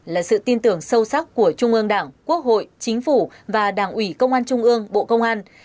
là sự tin tưởng sâu sắc của trung ương đảng quốc hội chính phủ và đảng ủy công an trung ương bộ công an